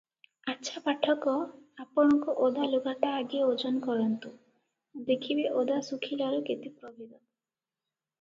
ଆଛା ପାଠକ, ଆପଣଙ୍କ ଓଦା ଲୁଗାଟା ଆଗେ ଓଜନ କରନ୍ତୁ, ଦେଖିବେ ଓଦା ଶୁଖିଲାର କେତେ ପ୍ରଭେଦ ।